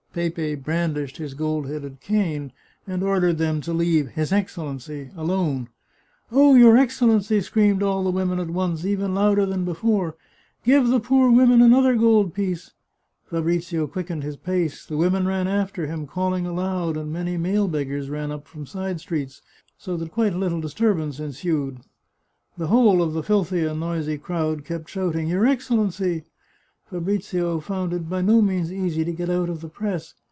Pepe brandished his gold headed cane, and ordered them to leave " his Excellency " alone. " Oh, your Excellency," screamed all the women at once, even louder than before, " give the poor women an other gold piece." Fabrizio quickened his pace ; the women ran after him, calling aloud, and many male beggars ran up from side streets, so that quite a little disturbance en sued. The whole of the filthy and noisy crowd kept shout ing " Your Excellency !" Fabrizio found it by no means easy to get out of the press.